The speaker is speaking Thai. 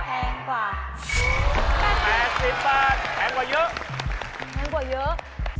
แพงกว่าเยอะ